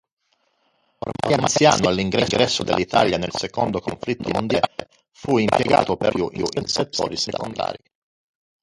Ormai anziano all'ingresso dell'Italia nel secondo conflitto mondiale, fu impiegato perlopiù in settori secondari.